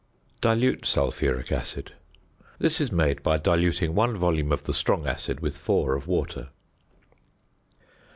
~Dilute Sulphuric Acid.~ This is made by diluting 1 volume of the strong acid with 4 of water.